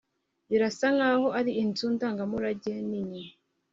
Birasa nkaho ari inzu ndangamurage nini